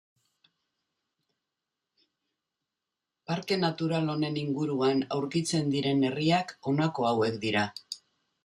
Parke natural honen inguruan aurkitzen diren herriak, honako hauek dira.